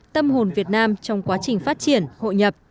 tâm hồn việt nam trong quá trình phát triển